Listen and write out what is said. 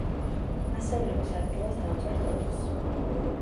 ასეულების ადგილას დავწერთ ოთხს.